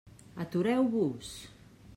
Atureu-vos!